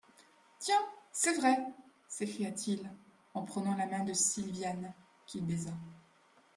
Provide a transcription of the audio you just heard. Tiens, c'est vrai ! s'écria-t-il, en prenant la main de Silviane, qu'il baisa.